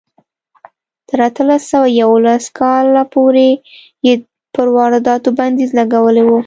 تر اتلس سوه یوولس کاله پورې یې پر وارداتو بندیز لګولی و.